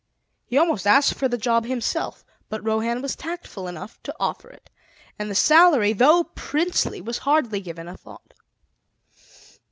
He almost asked for the job himself, but Rohan was tactful enough to offer it, and the salary, though princely, was hardly given a thought.